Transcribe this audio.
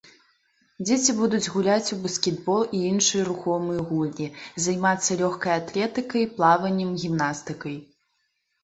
Дзеці будуць гуляць у баскетбол і іншыя рухомыя гульні, займацца лёгкай атлетыкай, плаваннем, гімнастыкай.